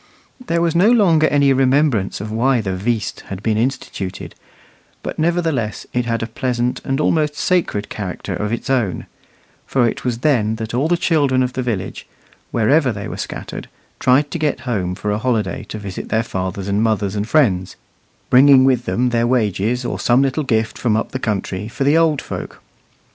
There was no longer any remembrance of why the "veast" had been instituted, but nevertheless it had a pleasant and almost sacred character of its own; for it was then that all the children of the village, wherever they were scattered, tried to get home for a holiday to visit their fathers and mothers and friends, bringing with them their wages or some little gift from up the country for the old folk.